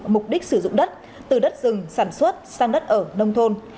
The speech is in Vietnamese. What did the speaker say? mục đích sử dụng đất từ đất rừng sản xuất sang đất ở nông thôn